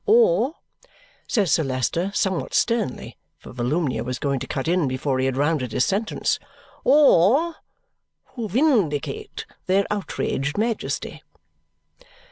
Or," says Sir Leicester somewhat sternly, for Volumnia was going to cut in before he had rounded his sentence, "or who vindicate their outraged majesty."